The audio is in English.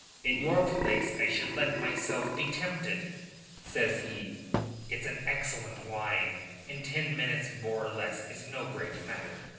"In your place I should let myself be tempted," says he. "It's an elegant wine, and ten minutes more or less is no great matter."